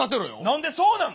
何でそうなんの。